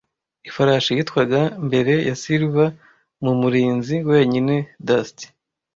Ifarashi yitwaga mbere ya silver mu murinzi wenyine Dusty